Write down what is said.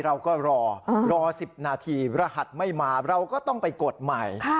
เราก็รอรอ๑๐นาทีรหัสไม่มาเราก็ต้องไปกดใหม่